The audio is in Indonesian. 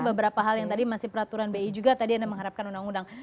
beberapa hal yang tadi masih peraturan bi juga tadi anda mengharapkan undang undang